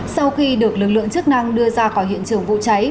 sau khi được lực lượng chức năng đưa ra khỏi hiện trường vụ cháy